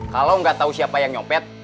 kalau gak tau siapa yang nyopet